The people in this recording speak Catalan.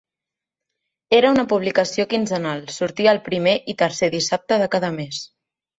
Era una publicació quinzenal, sortia el primer i tercer dissabte de cada mes.